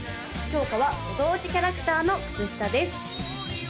きょうかはご当地キャラクターの靴下です